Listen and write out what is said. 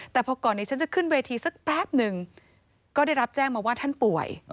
แต่พอก่อนนี้ฉันจะขึ้นเวทีสักแป๊บหนึ่งก็ได้รับแจ้งมาว่าท่านป่วย